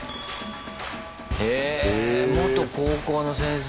へぇ元高校の先生。